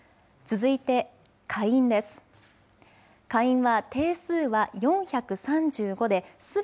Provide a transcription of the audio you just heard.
続いて下院です。